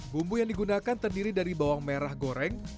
bumbu yang digunakan terdiri dari bawang merah goreng